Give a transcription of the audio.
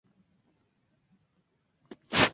Se trata de una de las lenguas meridionales.